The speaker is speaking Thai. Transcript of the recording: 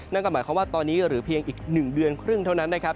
นั่นก็หมายความว่าตอนนี้เหลือเพียงอีก๑เดือนครึ่งเท่านั้นนะครับ